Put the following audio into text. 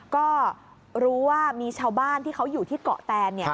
ก็รู้ว่ามีชาวบ้านที่เขาอยู่ที่เกาะแตน